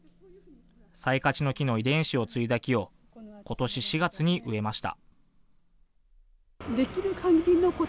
サイカチの木の遺伝子を継いだ木を今年４月に植えました。